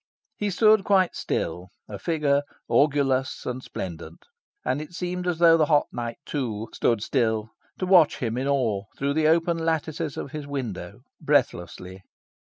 He stood quite still, a figure orgulous and splendent. And it seemed as though the hot night, too, stood still, to watch him, in awe, through the open lattices of his window, breathlessly.